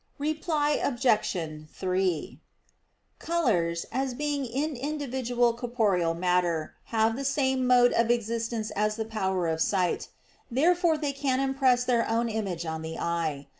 Reply Obj. 3: Colors, as being in individual corporeal matter, have the same mode of existence as the power of sight: therefore they can impress their own image on the eye.